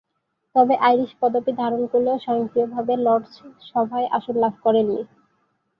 তবে, আইরিশ পদবী ধারণ করলেও স্বয়ংক্রিয়ভাবে লর্ডস সভায় আসন লাভ করেননি।